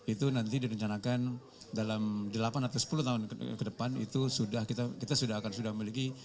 itu nanti direncanakan dalam delapan atau sepuluh tahun ke depan kita sudah akan memiliki